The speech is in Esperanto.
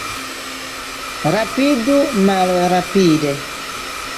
Rapidu malrapide.